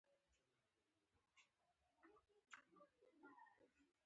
د مراجعینو د پيسو د ویش پروسه منظمه ده.